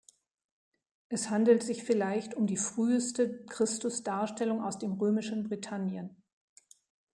Es handelt sich vielleicht um die frühste Christus-Darstellung aus dem römischen Britannien.